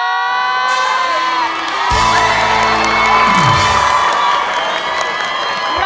รักคุณพ่อคุณแม่